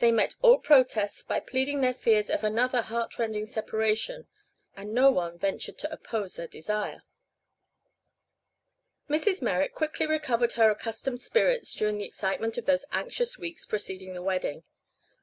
They met all protests by pleading their fears of another heartrending separation, and no one ventured to oppose their desire. Mrs. Merrick quickly recovered her accustomed spirits during the excitement of those anxious weeks preceding the wedding.